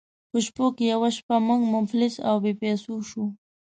په شپو کې یوه شپه موږ مفلس او بې پیسو شوو.